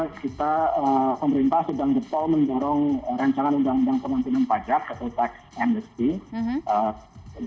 jadi kita sudah melakukan protokol untuk mengurang rencana undang undang kemampinan pajak atau tax amnesty